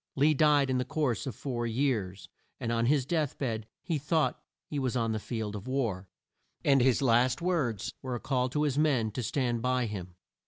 Lee died in the course of four years, and on his death bed he thought he was on the field of war, and his last words were a call to his men to stand by him.